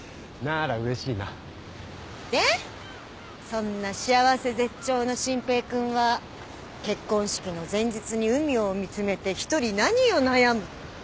そんな幸せ絶頂の真平君は結婚式の前日に海を見詰めて一人何を悩む？